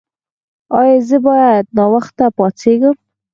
ایا زه باید ناوخته پاڅیږم؟